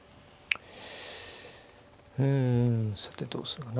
うんさてどうするかな。